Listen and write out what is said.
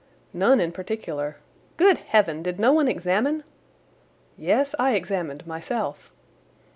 "None in particular." "Good heaven! Did no one examine?" "Yes, I examined, myself."